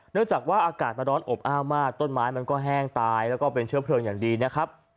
เนื่องจากว่าอากาศมันร้อนอบอ้าวมากต้นไม้มันก็แห้งตายแล้วก็เป็นเชื้อเพลิงอย่างดีนะครับ